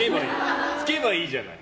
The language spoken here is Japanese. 拭けばいいじゃない。